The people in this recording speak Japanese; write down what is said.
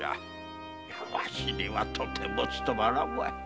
わしにはとても勤まらん。